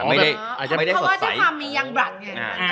อ๋ออาจจะไม่ได้สดใสเพราะว่าเจ้าความมียังบรรดิไง